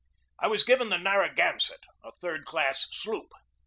I was given the Narragan sett, a third class sloop.